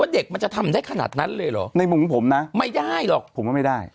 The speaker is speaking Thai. เด็กมันจะทำได้ขนาดนั้นเลยเหรอในมุมของผมนะไม่ได้หรอกผมว่าไม่ได้